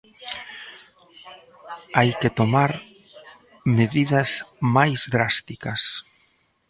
Hai que tomar medidas máis drásticas.